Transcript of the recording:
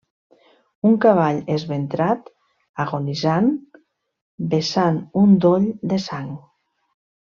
Un cavall esventrat, agonitzant, vessant un doll de sang.